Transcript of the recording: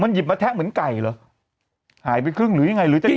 หยิบมาแทะเหมือนไก่เหรอหายไปครึ่งหรือยังไงหรือจะ